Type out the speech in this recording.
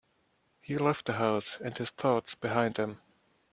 He left the house and his thoughts behind him.